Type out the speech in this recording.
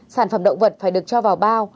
sản phẩm động vật phải được cho vào bao